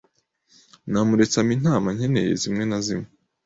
Namuretse ampa inama nkeneye zimwe nazimwe